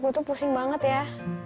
gue tuh pusing banget ya